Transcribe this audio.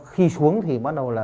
khi xuống thì bắt đầu là